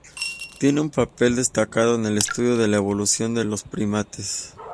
Tiene un papel destacado en el estudio de la evolución de los primates.